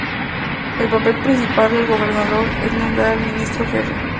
El papel principal del Gobernador es nombrar al Ministro Jefe.